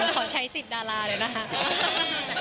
ขอใช้สิทธิ์ดาราเลยนะคะ